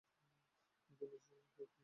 দীনেশ কে ফোন করেছিলে?